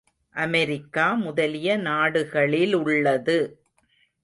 America முதலிய நாடுகளிலுள்ளது.